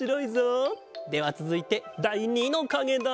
ではつづいてだい２のかげだ。